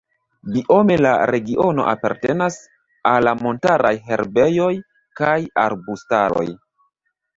Biome la regiono apartenas al la montaraj herbejoj kaj arbustaroj.